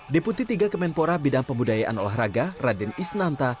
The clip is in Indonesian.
deputi tiga kementerian pemuda dan olahraga raden isnanta